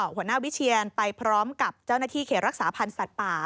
หัวหน้าวิเชียนไปพร้อมกับเจ้าหน้าที่เขตรักษาพันธ์สัตว์ป่า